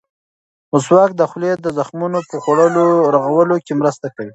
مسواک د خولې د زخمونو په رغولو کې مرسته کوي.